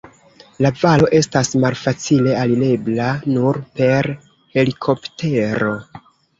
La valo estas malfacile alirebla, nur per helikoptero.